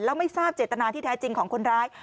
แล้วไม่ทราบเจตนาที่แท้จริงของคนร้าย